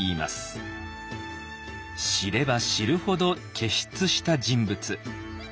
知れば知るほど傑出した人物。